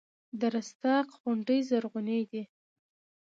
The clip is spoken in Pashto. د رستاق غونډۍ زرغونې دي